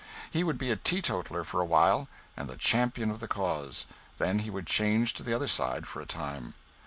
He would be a teetotaler for a while and the champion of the cause; then he would change to the other side for a time.